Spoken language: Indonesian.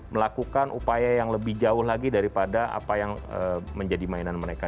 melakukan upaya yang lebih jauh lagi daripada apa yang menjadi mainan mereka